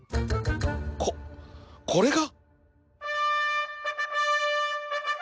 ここれが！？